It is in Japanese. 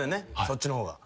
そっちの方が。